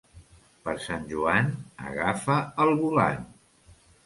Per Sant Joan agafa el volant.